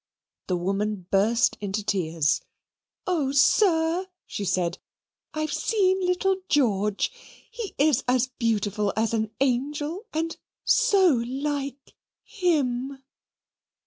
The woman burst into tears. "Oh, sir," she said, "I've seen little George. He is as beautiful as an angel and so like him!"